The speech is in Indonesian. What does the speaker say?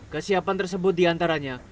kesiapan tersebut diantaranya